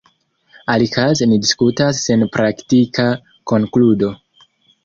Alikaze ni diskutas sen praktika konkludo.